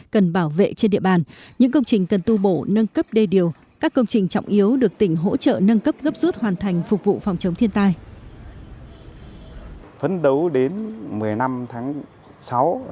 cần bảo vệ trên địa bàn những công trình cần tu bổ nâng cấp đề điều